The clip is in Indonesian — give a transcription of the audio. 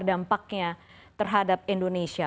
dampaknya terhadap indonesia